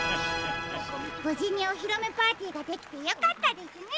ぶじにおひろめパーティーができてよかったですね！